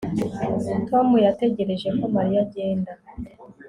Tom yategereje ko Mariya agenda